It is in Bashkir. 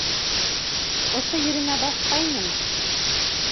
Ошо еренә баҫҡайным...